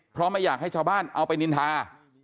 เพราะไม่อยากให้ชาวบ้านเอาไปนินทา